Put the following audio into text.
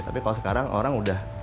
tapi kalau sekarang orang udah